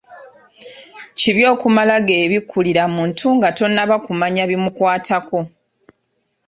Kibi okumala geebikkulira muntu nga tonnaba kumanya bimukwatako.